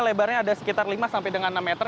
lebarnya ada sekitar lima sampai dengan enam meter